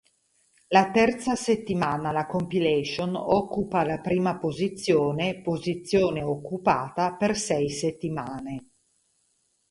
La terza settimana la compilation occupa la prima posizione, posizione occupata per sei settimane.